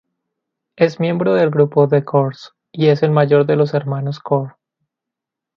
Es miembro del grupo The Corrs y es el mayor de los hermanos Corr.